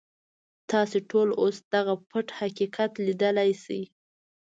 تاسې ټول اوس دغه پټ حقیقت ليدلی شئ.